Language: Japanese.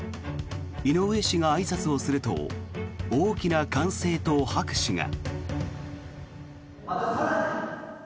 井上氏があいさつをすると大きな歓声と拍手が。